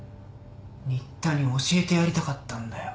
新田に教えてやりたかったんだよ。